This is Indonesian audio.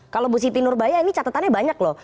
kalau bu siti nurbaya ini catatannya banyak loh